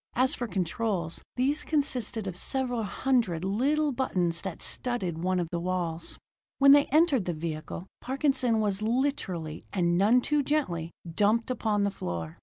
As for controls, these consisted of several hundred little buttons that studded one of the walls. When they entered the vehicle, Parkinson was literally, and none too gently, dumped upon the floor.